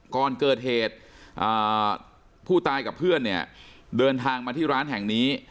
ก่อนเกิดเหตุผู้ตายกับเพื่อนเนี่ยเดินทางมาที่ร้านแห่งนี้